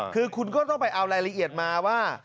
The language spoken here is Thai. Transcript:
คือคุณก็ต้องไปเอารายละเอียดมาว่า